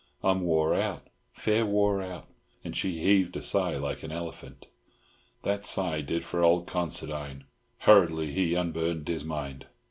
"I'm wore out. Fair wore out," and she heaved a sigh like an elephant. That sigh did for old Considine. Hurriedly he unburdened his mind.